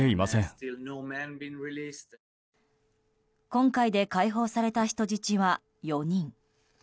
今回で解放された人質は４人。